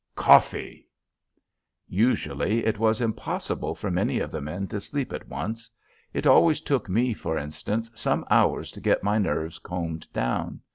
Coffee! Usually it was impossible for many of the men to sleep at once. It always took me, for instance, some hours to get my nerves combed down.